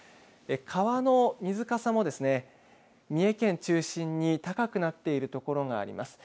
川の水かさも三重県中心に高くなっている所があります。